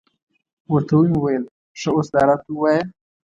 ورته ومې ویل، ښه اوس دا راته ووایه.